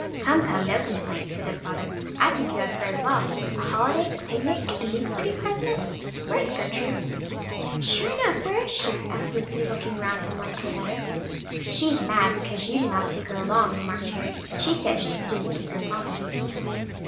"Come, come, no complaints," said their father; "I think you have fared well; a holiday, a picnic, and these pretty presents. Where's Gertrude?" "Sure enough, where is she?" asked Lucy, looking round from one to another. "She's mad because you did not take her along," remarked Harry, "she says you didn't keep your promise."